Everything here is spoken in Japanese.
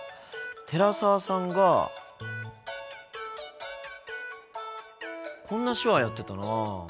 寺澤さんがこんな手話やってたな。